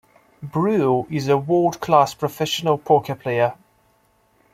Bruel is a world-class professional poker player.